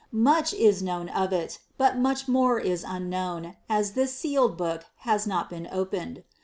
Much is known of it, but much more is unknown, as this sealed book has not been opened.